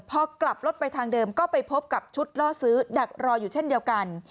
พอกลับรถไปทางเดิมก็ไปพบกับชุดล่อซื้อดักรออยู่เช่นเดียวกัน